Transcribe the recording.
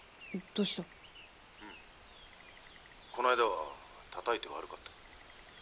こないだはたたいて悪かった」。